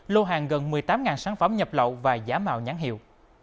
lô hàng gần một mươi tám sản phẩm nhập lậu và giá mạo nhắn hiệu